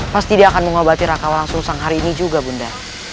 pasti dia akan mengobati raka langsung sang hari ini juga bunda